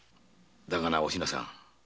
だがなお品さん